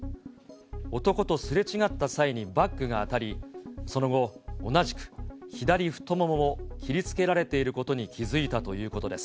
男とすれ違った際にバッグが当たり、その後、同じく左太ももを切りつけられていることに気付いたということです。